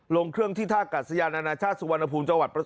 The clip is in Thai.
ลงเครื่องที่ท่ากัดสยานอนาชาติสุวรรณภูมิ